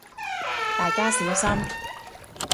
大家小心